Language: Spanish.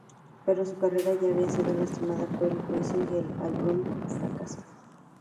Pero su carrera ya había sido lastimada por el juicio, y el álbum fracasó.